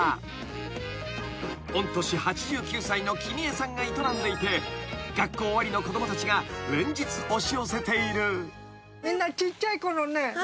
［御年８９歳の君江さんが営んでいて学校終わりの子供たちが連日押し寄せている］